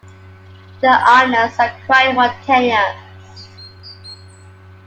The islands are quite mountainous.